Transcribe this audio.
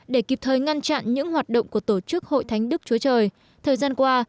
để kịp thời ngăn chặn những hoạt động của tổ chức hội thánh đức chúa trời thời gian qua